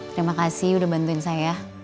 terima kasih udah bantuin saya